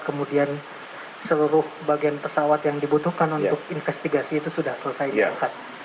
kemudian seluruh bagian pesawat yang dibutuhkan untuk investigasi itu sudah selesai diangkat